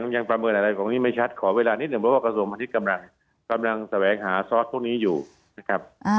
ยังประเมินอะไรของนี้ไม่ชัดขอเวลานิดหนึ่งเพราะว่ากระทรวงพาณิชย์กำลังแสวงหาซอสพวกนี้อยู่นะครับ